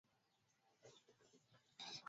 Kabla ya uteuzi huu alikuwa Simiyu